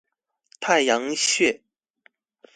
太陽穴